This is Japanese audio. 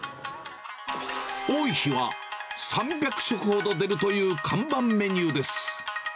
多い日は３００食ほど出るという看板メニューです。